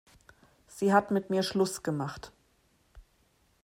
Sie hat mit mir Schluss gemacht.